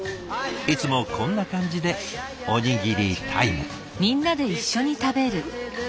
いつもこんな感じでおにぎりタイム。